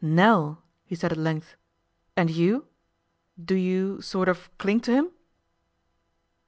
'Nell!' he said at length. 'And you? Do you sort of cling to him?